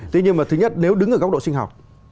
tuy nhiên mà thứ nhất nếu đứng ở góc độ sinh học